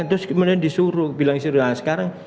terus kemudian disuruh bilang sudah sekarang